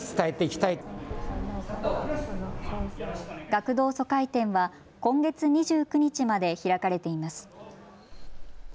学童疎開展は今月２９日まで開かれています。